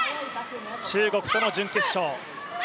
中国との準決勝。